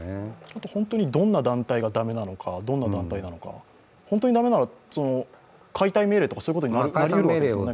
あと、本当にどんな団体がだめなのか、どんな団体なのか、本当に駄目なら解体命令とかになりうるわけですよね？